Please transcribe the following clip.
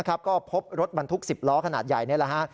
ก็พบรถบรรทุก๑๐ล้อขนาดใหญ่นี่แหละฮะ